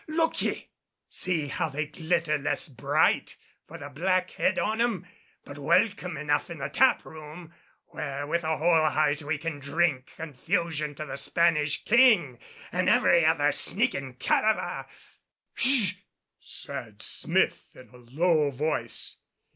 Look you! See how they glitter less bright for the black head on 'em, but welcome enough in the taproom where with a whole heart we can drink confusion to the Spanish king and every other sneaking cat of a " "Sh " said Smith in a low voice.